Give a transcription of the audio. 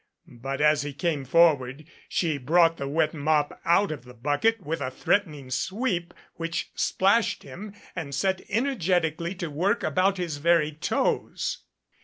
But as he came forward, she brought the wet mop out of the bucket with a threatening sweep which splashed him, and set energetically to work about his very toes.